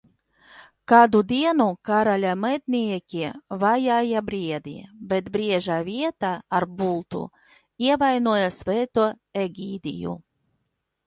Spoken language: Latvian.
Kādu dienu karaļa mednieki vajāja briedi, bet brieža vietā ar bultu ievainoja Svēto Egidiju.